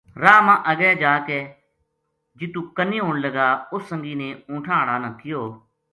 راہ ما اگے جا کے جِتُو کنی ہون لگا اس سنگی نے اونٹھاں ہاڑا نا کہیو